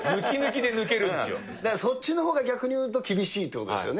だからそっちの方が逆にいうと、厳しいっていうことですよね。